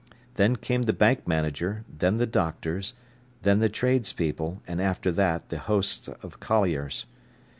Then came the bank manager, then the doctors, then the tradespeople, and after that the hosts of colliers.